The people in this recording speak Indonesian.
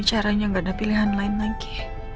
caranya gak ada pilihan lain lagi